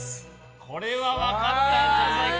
これは分かったんじゃないか。